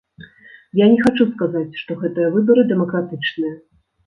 Я не хачу сказаць, што гэтыя выбары дэмакратычныя.